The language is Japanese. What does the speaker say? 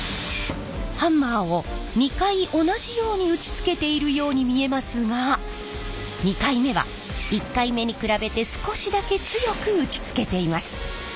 ハンマーを２回同じように打ちつけているように見えますが２回目は１回目に比べて少しだけ強く打ちつけています。